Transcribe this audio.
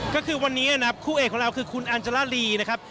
ก็คือวันนี้นะครับคู่เอกของเราคือคุณอัญจาราลีนะครับ